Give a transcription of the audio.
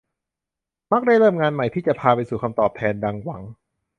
มักได้เริ่มงานใหม่ที่จะพาไปสู่ค่าตอบแทนดังหวัง